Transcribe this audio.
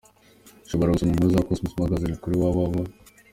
Ushobora gusoma inkuru za Cosmos magazine kuri www.